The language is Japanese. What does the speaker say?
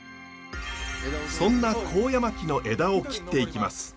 そんな高野槙の枝を切っていきます。